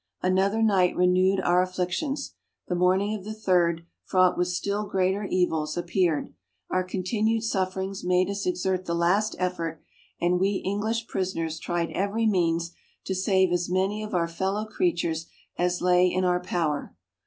Another night renewed our afflictions. The morning of the third, fraught with still greater evils, appeared; our continued sufferings made us exert the last effort, and we English prisoners, tried every means to save as many of our fellow creatures as lay in our power.